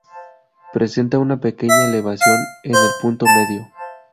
Presenta una pequeña elevación en el punto medio.